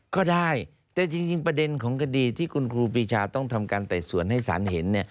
ก็ได้แต่จริงประเด็นของคดีที่คุณครูปีชาต้องทำการไต่สวนให้สารเห็น